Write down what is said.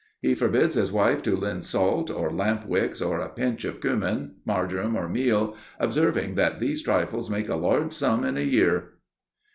He forbids his wife to lend salt or lamp wicks or a pinch of cummin, marjoram, or meal, observing that these trifles make a large sum in a year."